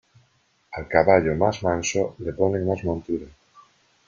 Al caballo más manso le ponen más montura.